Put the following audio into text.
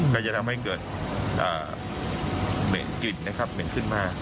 ก็จะทำให้เกิดเหม็นกลิ่นนะครับเหม็นขึ้นมาก